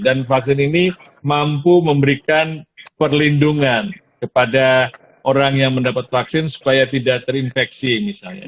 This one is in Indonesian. dan vaksin ini mampu memberikan perlindungan kepada orang yang mendapat vaksin supaya tidak terinfeksi misalnya